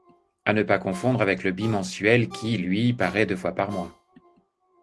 À ne pas confondre avec le bimensuel qui, lui, parait deux fois par mois.